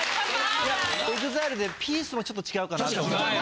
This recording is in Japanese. ＥＸＩＬＥでピースもちょっと違うかなと。